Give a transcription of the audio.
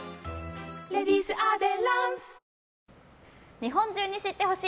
日本中に知って欲しい！